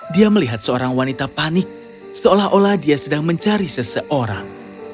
dia melihat seorang wanita panik seolah olah dia sedang mencari seseorang